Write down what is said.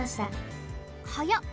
はやっ！